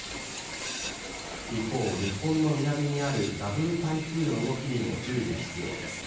一方、日本の南にあるダブル台風の動きにも注意が必要です。